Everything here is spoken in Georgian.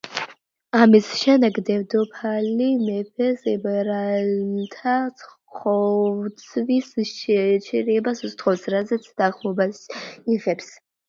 ამის შემდეგ, დედოფალი მეფეს ებრაელთა ხოცვის შეჩერებას სთხოვს, რაზეც თანხმობას იღებს.